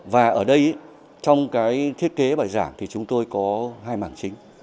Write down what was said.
và ở đây trong cái thiết kế bài giảng thì chúng tôi có hai mảng chính